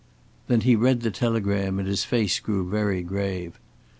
Then he read the telegram and his face grew very grave.